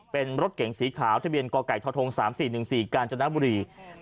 เป็นรถเก๋งสีขาวทะเบียนกไก่ทท๓๔๑๔กาญจนบุรี